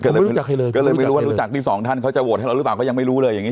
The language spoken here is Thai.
ก็เลยไม่รู้จักใครเลยก็เลยไม่รู้ว่ารู้จักที่สองท่านเขาจะโหวตให้เราหรือเปล่าก็ยังไม่รู้เลยอย่างนี้